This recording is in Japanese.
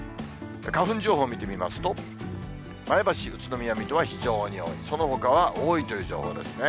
花粉情報見てみますと、前橋、宇都宮、水戸は非常に多い、そのほかは多いという情報ですね。